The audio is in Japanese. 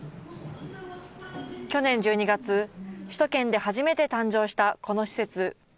去年１２月、首都圏で初めて誕生したこの施設。